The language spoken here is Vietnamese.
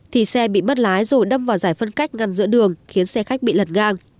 thì xe bị mất lái rồi đâm vào giải phân cách ngăn giữa đường khiến xe khách bị lật gang